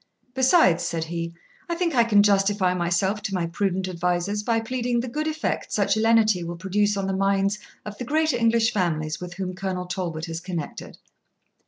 Besides," said he, "I think I can justify myself to my prudent advisers by pleading the good effect such lenity will produce on the minds of the great English families with whom Colonel Talbot is connected."'